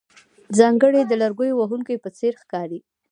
ځانګړی د لرګیو وهونکو په څېر ښکارې.